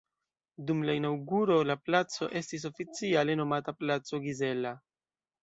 Dum la inaŭguro la placo estis oficiale nomata placo Gizella.